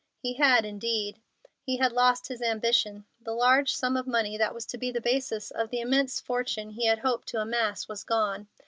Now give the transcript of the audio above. He had, indeed. He had lost his ambition. The large sum of money that was to be the basis of the immense fortune he had hoped to amass was gone.